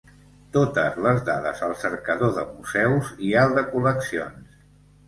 Totes les dades al cercador de museus i al de col·leccions.